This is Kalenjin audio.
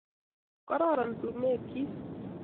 Kororon sumekchi